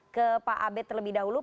ke pak abed terlebih dahulu